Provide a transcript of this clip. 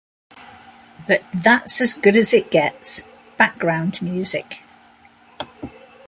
But that's as good as it gets: "background music".